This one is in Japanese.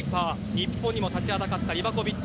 日本にも立ちはだかったリヴァコヴィッチ